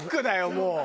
もう。